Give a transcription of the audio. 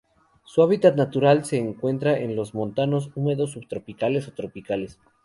Su hábitat natural se encuentra en los montanos húmedos subtropicales o tropicales.